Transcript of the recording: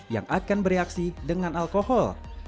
yang akan bereaksi dengan alkohol